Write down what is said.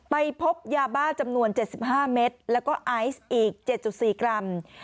ไปพบยาบ้าจำนวน๗๕เมตรแล้วก็ไอซ์อีก๗๔กรัม